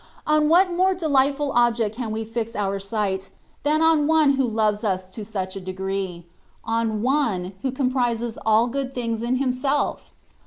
On what more delightful object can we fix our sight, than on 176 THE WAY OF PERFECTION. one who loves us to such a degree — on One who comprises all good things in Himself?